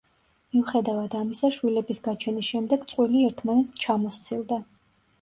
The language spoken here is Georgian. მიუხედავად ამისა, შვილების გაჩენის შემდეგ წყვილი ერთმანეთს ჩამოსცილდა.